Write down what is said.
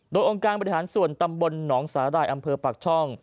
โดยองค์การบริหารส่วนตำบลหนองสาหร่ายอำเภอปากช่อง